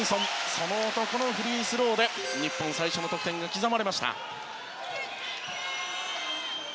その男のフリースローで日本、最初の得点が刻まれました。